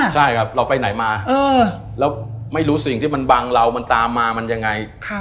ใช่ครับเราไปไหนมาแล้วไม่รู้สิ่งที่มันบังเรามันตามมามันยังไง